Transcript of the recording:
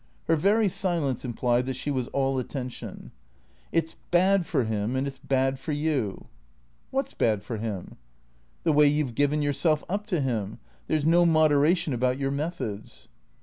Her very silence implied that she was all attention. " It 's bad for him and it 's bad for you." « What 's bad for him ?"" The way you 've given yourself up to him. There 's no moderation about your methods."